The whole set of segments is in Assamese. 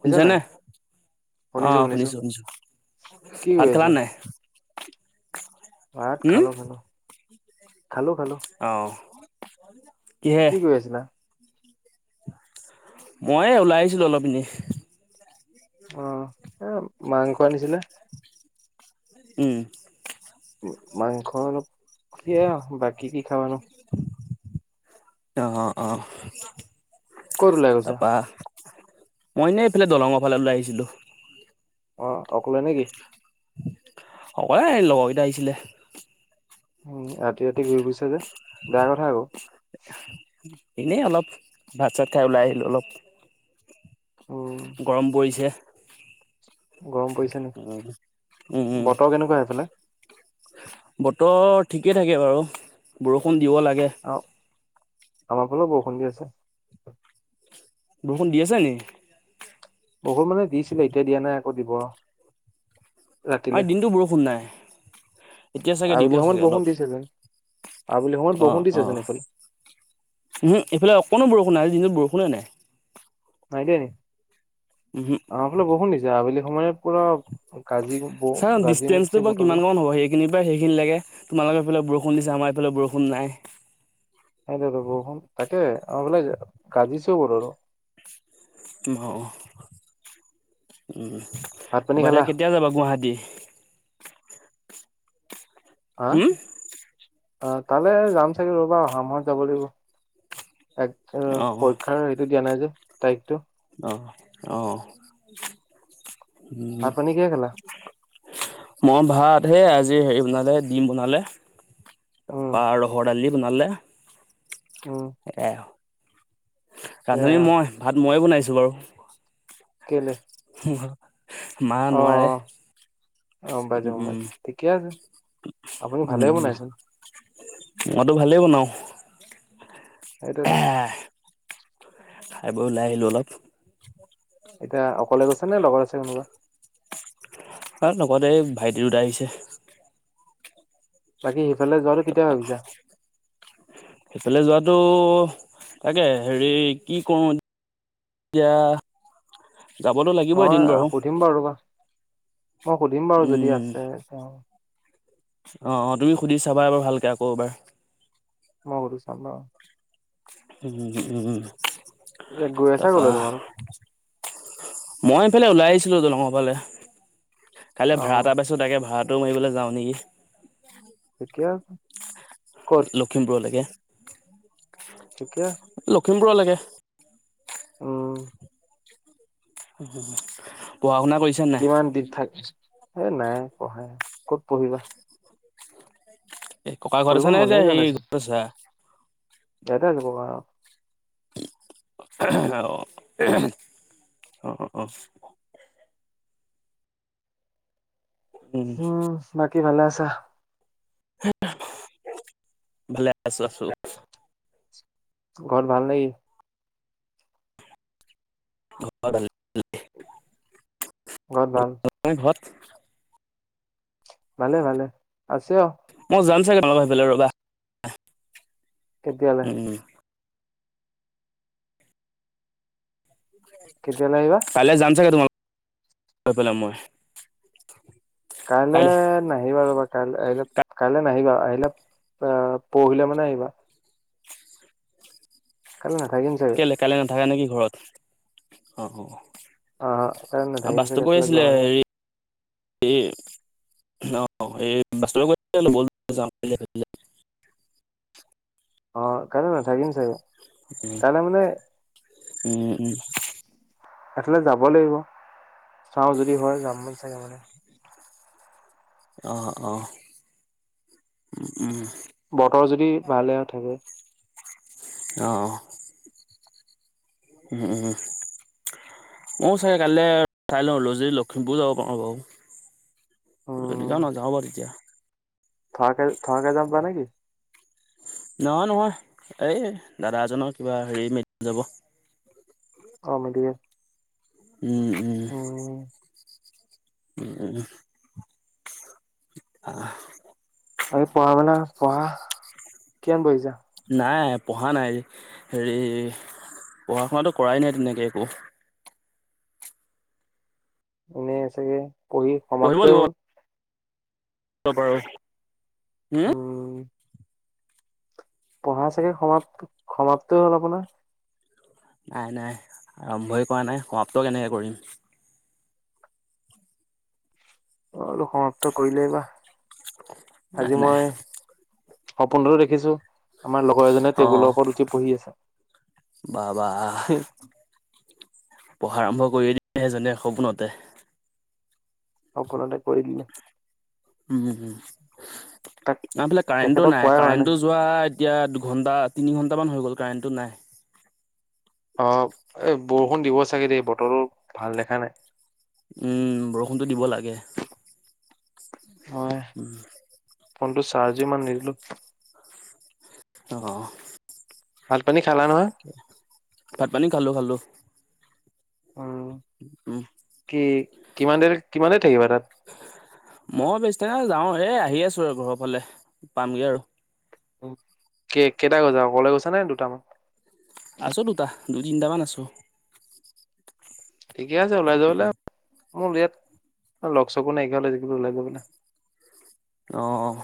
শুনিছা নাই? শুনিছো অ'! শুনিছো। শুনিছোঁ, শুনিছোঁ। কি ভাত কৰি খালা আছা? নাই? ভাত উম, খালোঁ, খালোঁ। খালোঁ, খালোঁ। অ' কিহে? কি কৰি আছিলা? মই ওলাই আহিছিলোঁ অলপ এনে। অ'! এ, মাংস আনিছিলে। উম! উম! মাংস অলপ খুজি আঁ বাকি কি খাব নো। অ' অ' অ'! ক'ত ওলাই গৈছা? তাৰপা মই এনে, এইফালে দলঙৰ ফালে ওলাই আহিছিলোঁ। অ'! অকলে নেকি? অকলে, লগৰ কেইটা আহিছিলে। উম! ৰাতি, ৰাতি ঘূৰি ফুৰিছা যে বেয়া কথা আকৌ। এনেই অলপ, ভাত চাত খাই ওলাই আহিলোঁ অলপ। উম, গৰম পৰিছে। গৰম পৰিছে নি? উম! উম! উম! বতৰ কেনেকুৱা সেইফালে? বতৰ ঠিকে থাকে বাৰু বৰষুণ দিব লাগে। অ' আমাৰ ফালেও বৰষুণ দি আছে। বৰষুণ দি আছে নি? বৰষুণ মানে, দিছিলে এতিয়া দিয়া নাই আকৌ দিব। ৰাতিলে। আজি দিনটো বৰষুণ নাই। এতিয়া চাগে আবেলি দিব সময়ত চাগে বৰষুণ অলপ। দিছে যেন। আবেলি সময়ত বৰষুণ অ'! দিছে চোন অ'! এইফালে। ওহোঁ এইফালে অকণো বৰষুণ নাই, আজিৰ দিনটোত বৰষুণে নাই। নাই দিয়া নি? উহু আমাৰ ফালে বৰষুণ দিছে আবেলি সময়ত পুৰা গাজি ব চাও গাজিছে ডিষ্টেঞ্চটো বাৰু বতৰো কিমানমান হ'ব। সেইখিনিৰ পৰা সেইখিনিলেকে। তোমালোকৰ সেইফালে বৰষুণ দিছে। আমাৰ এইফালে বৰষুণ নাই। সেইটোৱে ত' বৰষুণ তাকে, আমাৰ ফালে গাজিছে বতৰটো। [unintelligible] উম! তাৰাপা এতিয়া, ভাত পানী খালা কেতিয়া যাবা গুৱাহাটী? [unintelligible] হা! হুম আঁ তালে যাম চাগে ৰ'বা, অহা মাহত যাব লাগিব। এক অ পৰীক্ষাৰ সেইটো দিয়া নাই যে তাৰিখটো। অ'! অ'! উম! ভাত পানী কিহে খালা মই ভাত হে আজি হেৰি বনালে, ডিম বনালে। উম তাৰপৰা ৰহৰ দালি বনালে। উম এ, ৰান্ধনী সেয়া মই, ভাত মই বনাইছোঁ বাৰু। কেলে? মা অ নোৱাৰে। অ গম পাইছো গম উম! পাইছো ঠিকে আছে আপুনি ভালে উম! বনাইচোন মইতো ভালেই বনাওঁ। সেইটোৱেটো [unintelligible] খাই বৈ ওলাই আহিলোঁ অলপ। এতিয়া অকলে গৈছে নে, লগৰ আছে কোনোবা? আৰু লগতে এই ভাইটি দুটা আহিছে। বাকী সিফালে যোৱাটো কেতিয়া ভাবিছা? সেইফালে যোৱাটো তাকে হেৰি কি কৰো [unintelligible] এতিয়া যাবতো লাগিবই মই এদিন বাৰু সুধিম ৰ'বা মই সুধিম বাৰু যদি আছে তেওঁ [unintelligible] অ অ তুমি সুধি চাবা এবাৰ ভালকে আকৌ এবাৰ [unintelligible] মৰু চামভ [unintelligible] উম উম গৈ আছা কলৈ তাৰপৰা তোমালোক মই এইফালে ওলাই আহিছিলো দলঙৰ ফালে কাইলৈ অ ভাড়া এটা পাইছো তাকে ভাড়া দ মাৰিবলৈ যাওঁ নেকি [unintelligible] এতিয়া ক'ত লখিমপুৰলৈকে ঠিকে আছে [unintelligible] লখিমপুৰলেকে [unintelligible] আহ পঢ়া শুনা কৰিছা নাই কিমান দিন থাক এ নাই পঢ়াই ক'ত পঢ়িবা [unintelligible] এই ককা ঘৰত পঢ়িব আচা নে মনে যে সেই ঘৰত আছা [unintelligible] এয়াতে আছো ককা ঘৰত [unintelligible] অ অ অ [unintelligible] উম বাকী ভালে আছা ভালে আছো আছো ঘৰত ভাল নে কি ঘ [unintelligible] ঘৰত ভাল? ভালে ভালে আছে আও। মই যাম চাগে তহঁতৰ সেইফালে ৰবা। কেতিয়ালে? উম কেতিয়ালে আহিবা কাইলে যাম ছাগে তোমালকফালে মই। [unintelligible] কাইলৈ নাহিবা ৰবা। কাইলে আহিলে কাইলৈ নাহিবা আহিলে আহ পৰহিলে মানে আহিবা। কাইলে নাথাকিম চাগে। কাইলৈ কাইলৈ নাথাকা নেকি ঘৰত,? অ অ। অ কাইলে নাথাকিম চাগে। [unintelligible] এ [unintelligible] অ এই [unintelligible] অ কাইলে নাথাকিম চাগে কাইলে মানে উ উ [unintelligible] এফালে যাব লাগিব। চাওঁ যদি হয় যাম মান চাগে মানে। [unintelligible] অ অ উম। দি ভালে থাকে অ অ [unintelligible] উম উ। মই চাগে কালিলে চাই লওঁ ল যদি লখিমপুৰ যাব পাৰো বাৰু। উম [unintelligible] যাও বাও তেতিয়া থকাকে থকাকে যাব নেকি? নহয় নহয় এই দাদা এজনৰ কিবা হেৰি ম যাব [unintelligible] অ [unintelligible] উম উম। উম। আহ। আ পঢ়া মেলা পঢ়া কিমান পঢ়িছা? নাই পঢ়া নাই। হেৰি পঢ়া শুনাতটো কৰাই নাই তেনেকে একো। এনেই চাগে পঢ়ি সমাপ্তই হ'ল? কিয় বাৰু হম উম পঢ়া চাগে সমাপ্ত সমাপ্ত হ'ল আপোনাৰ? নাই নাই আৰম্ভই কৰা নাই। সমাপ্ত কেনেকে কৰিম? অ অলপ সমাপ্ত কৰিলেই বা নাই আজি নাই মই সপোনটো দেখিছো আমাৰ লগৰ এজনে টেবুলৰ ওপৰত উঠি পঢ়ি আছে। বাহ বাহ। পঢ়া আৰম্ভ কৰিদিলে এজনয়ে সপোনতে সপোনতে কৰি দিলে। তাক নফালে কাৰেণ্টটো তেখেতক নাই কোৱাই হোৱা কাৰেণ্টটো যোৱা- এতিয়া দুঘন্টা তিনি ঘণ্টামান হৈ গ'ল কাৰেণ্টটো নাই। অ এ বৰষুণ দিব চাগে দেই বতৰো ভাল দেখা নাই। উম বৰষুণটো দিব লাগে। মই ফোনটো চাৰ্জ ইমান নিদিলোঁ। আহ। ভাত পানী খালা নহয়? ভাত পানী খালো খালো। উম উম কি কিমান দেৰি কিমান দেৰি থাকিবা তাত? মই যাওঁ এ আহি আছো আৰু ঘৰৰ ফালে পামগে আৰু। উম ক কেইটা গৈছা অকলে গৈছা নে দুটামান? আছো দুটা দুই তিনটামান আছোঁ। ঠিকে আছে ওলাই যাব মোৰ ইয়াত লগ চগো নাই হ'লে যে কবাত ওলাই যাবলে। [unintelligible] আহঁ।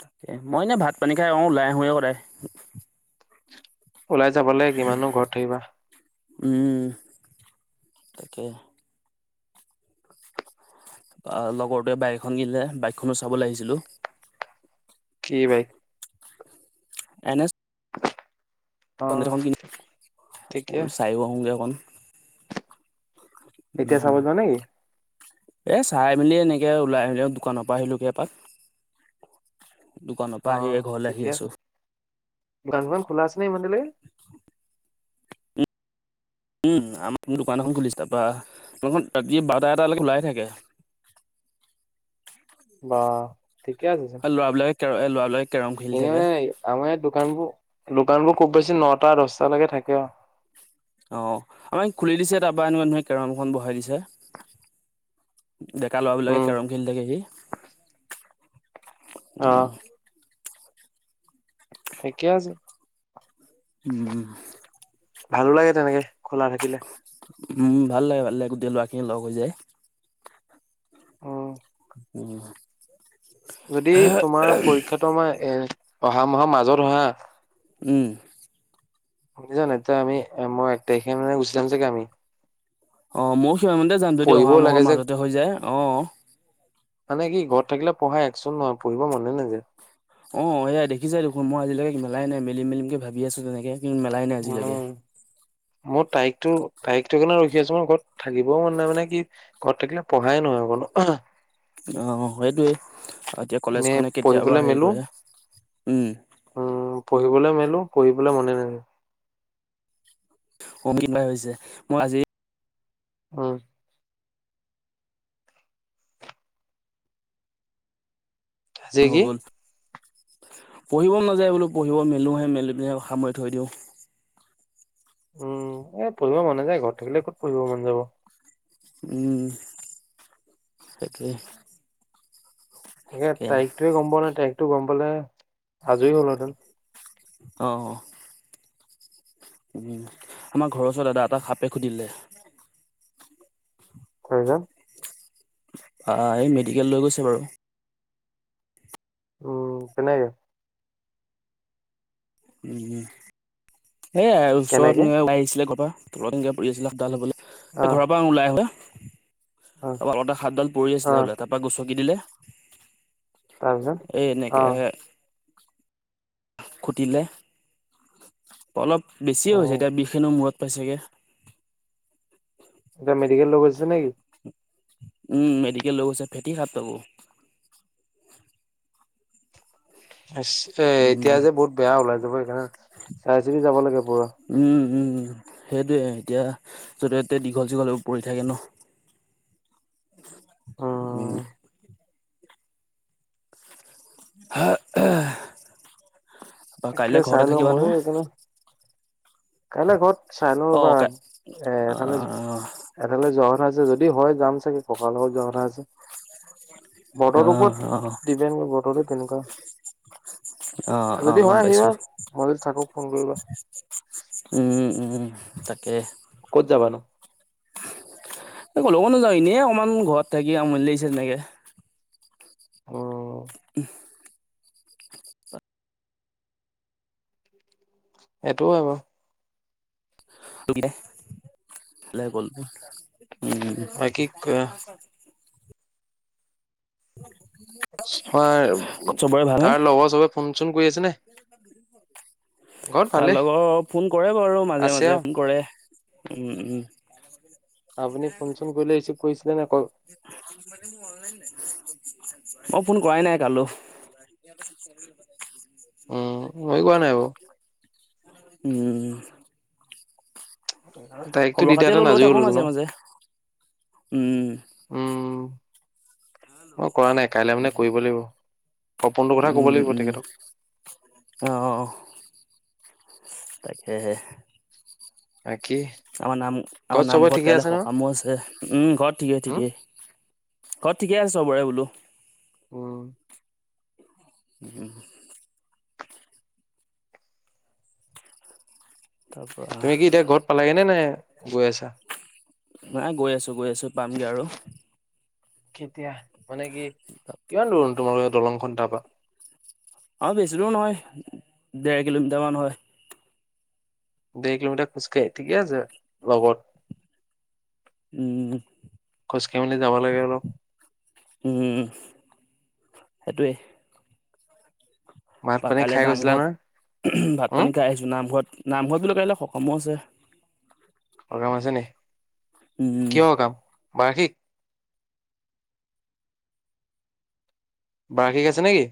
তাকে মই এনে ভাত পানী খাই অ ওলাই আহোঁয়ে সদায়। ওলাই যাব লাগে কিমাননো ঘৰত থাকিবা। উম তাকে। অহ লগৰটোৱে বাইক এখন কিনিলে বাইকখনো চাবলৈ আহিছিলো। কি বাইক? এন এছ অহ ফৌৰ হান্দ্ৰেড ঠিকে কিনিলে, চাইও আহোগৈ অকন। এতিয়া উম চাব যোৱা নাই এ চাই মেলি এনেকে ওলাই আহিলো দোকানৰ পৰা আহিলো গে এপাক দোকানৰ পৰা আহি অহ ঘৰলে ঠিকে আহি আছোঁ। দোকান চোকান খোলা আছে নে ইমান দেৰিলৈকে? উম। আমাৰ মোৰ দোকান এখন খুলিছে তাৰপা দোকানখন ৰাতি বাৰটা এটালৈকে খোলাই থাকে। [inaudible] বাহ ঠিকে আছে চোন আৰু ল'ৰাবিলাকে কে এই লৰালৈ ইহ হে মানে আমাৰ‌ ইয়াত দো দোকানবোৰ দোকানবোৰ খুব বেছি নটা দশটা লৈকে থাকে আৰু। অ আমাক খুলি দিছে তাৰপা এনে মানে কেৰমখন বহাই দিছে। ডেকা ল'ৰা বিলাকে উম, কেৰম খেলি থাকেহি। অহ উম। ঠিকেই আছে। উম। ভালো লাগে তেনেকে খোলা থাকিলে। উম ভাল লাগে ভাল লাগে গোটেই ল'ৰাখিনি লগ হৈ যায়। উম। উম। যদি তোমাৰ পৰীক্ষাটো আমাৰ এ অহা মাহৰ মাজত হয় হাঁ। উম। শুনিছা নাই ত আমি মই এক তাৰিখ মানে গুচি যাম চাগে আমি। অ ময়ো সিমান মতে যাম যদি অহা পঢ়িবও মাহৰ লাগে যে মাজতে হৈ যায়, অঁ। মানে কি ঘৰত থাকিলে পঢ়াই একচোট নহয় পঢ়িব মনে নেযায়। অ এয়া দেখিছাই দেখোন মই আজিলৈকে মেলাই নাই মিলিম মেলিমকে ভাবি আছো তেনেকে, মেলাই নাই আজিলৈকে। উম, মোৰ তাৰিখতটো তাৰিখটোকাৰণে ৰখি আছো মই ঘৰত থাকিবও মন নাই মানে কি ঘৰত থাকিলে পঢ়াই নহয়। [unintelligible] আহ [unintelligible] অ সেইটোৱে। এতিয়া এনে কলেজ খনে কেতিয়াবা পঢ়িবলৈ হেৰি মেলো কৰে, উম। উম, পঢ়িবলৈ মেলো পঢ়িবলৈ মনে নাযায়। [unintelligible] হৈছে মই আজি, উম। আজি হৈ কি গ'ল। পঢ়িব মন নাযায় বোলো পঢ়িব মেলোহে মেলি পিনে সামৰি থৈ দিওঁ। উম এ পঢ়িব মন নাযায় ঘৰত থাকিলে ক'ত পঢ়িব মন যাব। উম সেইটোৱে। এ সেয়া তাৰিখটোৱে গম পোৱা নাই তাৰিখটো গম পালে আজৰি হ'লোহেতেন। অঁ। উম আমাৰ ঘৰৰ ওচৰত দাদা এটা সাপে খুতিলে। তাৰ পিছত। অ এই মেডিকেল লৈ গৈছে বাৰু। উম তেনেকে। উ সেয়াই ওচৰত কেনেকে এনে ওলায় আহিছিলে ঘৰপা তলত এনেকে পৰি আছিলে সাপডাল হ'বলা। অ', ঘৰৰ পৰা ওলাই আহোতে। অ', ত আগতে সাপডাল পৰি আছিলে অ', বোলে তাৰ পৰা গুচকি দিলে। তাৰপিছত এ এনেকে অ', হে। খুটিলে অলপ বেছিয়ে হৈছে অ', এতিয়া বিষখেনো মূৰত। [unintelligible] পায়সেগে। [unintelligible] এটা মেডিকেল লগ গৈছে নেকি। [unintelligible] উম মেডিকেল লগৈছে ফেটি সাপ তাকো। [unintelligible] এ এতিয়া উম, যে বহুত বেয়া ওলাই যাব সেইকাৰণে চাই চিতি যাব লাগে পুৰা। উম, উম সেইটয়ে এতিয়া জতে ততে দীঘল চীঘলে পৰি থাকে ন। উম। হ আহ। তকে চাইলৌ মইও এইকেইদিন। [unintelligible] কাইলৈ ঘৰত চাইলৌ ৰবা অ', কাই এ এফালে অ', এফালে যোৱা কথা আ। [unintelligible] যদি হয় যাম চাগে ককা লগত যোৱা কথা আছে। বতৰ ওপৰত অ', অ', ডিপেণ্ড কৰিব বতৰটো কেনেকুৱা অ', আজি [unintelligible] য অ', গম হয় পাইছো। আহিবা মই যদি থাকো ফোন কৰিবা। [unintelligible] উম, উম, তাকে। ক'ত যাবানো। এই কলৈকো নোযাওঁ এনে অকণমান ঘৰত থাকি আমনী লাগিছে তেনেকে। [unintelligible] অ। উ। সেইটোও হয় বাও [unintelligible] তোলে এফালে গল উম। বাকী ক [unintelligible] [inaudible] হয় ঘৰত চবৰে ভাল নে? তাৰ লগৰ চবে ফোন চোন কৰি আছে নে। ঘৰত [inaudible] তাৰ ভালেই লগৰ ফোন কৰে বাৰু মাজে আছে মাজে আৰু ফোন কৰে উম উম। আপুনি নাই ফোন মানে চোন কৰিলে ৰিচিভ কৰিছিলে নে কল - মানে মোৰ অনলাইন নাই। অই ফোন কৰাই নাই কালো। উম মই কোৱা নাই বাও। উম। বাৰু তাৰিখটো খবৰ দি খাতি হলৈ দিয়াহেতেন লৈ আজৰি থাকো হ'লোহেতেন মাজে- অ মাজে। উম। উম মই কৰা নাই কাইলৈ মানে কৰিব লাগিব। সপোনটোৰ কথা কব উম, লাগিব উম, তেখেতক। অ', তাকেহে। বাকী আমাৰ নাম আমাৰ ঘৰত চবৰে নামঘৰত ঠিকে কাইলৈ আছে নহয় সকামো আছে উম ঘৰত ঠিকেই উম ঠিকেই। অ ঠিকে আছে চবৰেৰে বোলো। উম ওম। তাৰ পৰা তুমি কি এতিয়া ঘৰত পালাগে নে নাই গৈ আছা? নাই গৈ আছো গৈ আছো পামগে আৰু। কেতিয়া মানে কি কিমান দূৰ নো তোমালোকৰ দলংখন তাৰপা। আৰু বেছি দূৰো নহয় দেৰ কিলোমিটাৰ মান হয়। দুই কিলোমিটাৰ খোজকাঢ়ি ঠিকে আছে লগত। উম, খোজকাঢ়ি মেলি যাব লাগে অলপ। উম সেইটোৱে। ভাত তা পানী কাইলে খাই গৈছিলা নহয় নামঘৰত ভাত উম পানী খাই আহিছো নামঘৰত। নামঘৰত বুলো কাইলে সকামো আছে। অ কাম আছে নি? উম কিহৰ কাম বাৰ্ষিক বাৰ্ষিক আছে নেকি?